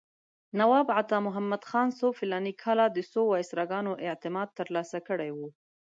نواب عطامحمد خان څو فلاني کاله د څو وایسراګانو اعتماد ترلاسه کړی و.